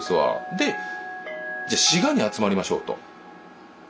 でじゃ滋賀に集まりましょうと。